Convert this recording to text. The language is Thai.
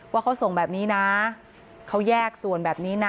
ว่าเขาส่งแบบนี้นะเขาแยกส่วนแบบนี้นะ